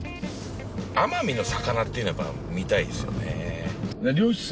奄美の魚っていうのはやっぱ見たいですよね。